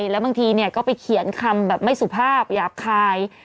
แล้วบางทีก็ไปเขียนคำแบบไม่สุภาพหยาบคาย